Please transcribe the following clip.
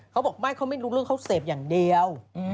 เขาบอกไม่เขาไม่รู้เรื่องเขาเสพอย่างเดียว